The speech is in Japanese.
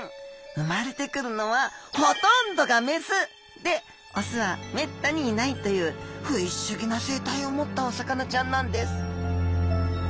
生まれてくるのはで雄はめったにいないというフィッシュギな生態を持ったお魚ちゃんなんです！